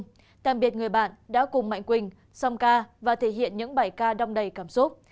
phi nhung tạm biệt người bạn đã cùng mạnh quỳnh xong ca và thể hiện những bài ca đông đầy cảm xúc